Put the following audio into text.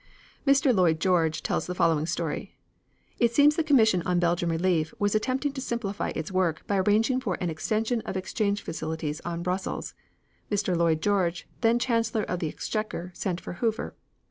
Mr. Lloyd George tells the following story: It seems that the Commission on Belgian Relief was attempting to simplify its work by arranging for an extension of exchange facilities on Brussels. Mr. Lloyd George, then Chancellor of the Exchequer, sent for Hoover.